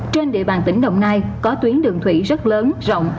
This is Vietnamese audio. trên địa bàn tỉnh đồng nai có tuyến đường thủy rất lớn rộng